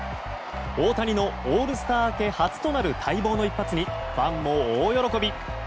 大谷のオールスター明け初の一発にファンも大喜び。